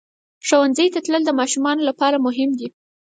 ښوونځي ته تلل د ماشومانو لپاره مهم دي.